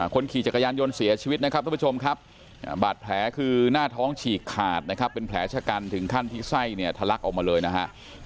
คนขี่จักรยานยนต์เสียชีวิตนะครับทุกผู้ชมครับบาดแผลคือหน้าท้องฉีกขาดนะครับเป็นแผลชะกันถึงขั้นที่ไส้เนี่ยทะลักออกมาเลยนะฮะ